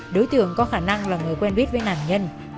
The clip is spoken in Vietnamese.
đối tượng có khả năng là người quen biết với nạn nhân